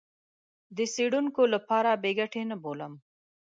د څېړونکو لپاره بې ګټې نه بولم.